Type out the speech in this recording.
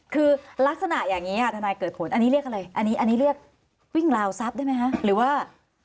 คือลักษณะอย่างนี้ค่ะทนายเกิดผลอันนี้เรียกอะไรอันนี้เรียกวิ่งราวทรัพย์ได้ไหมคะหรือว่า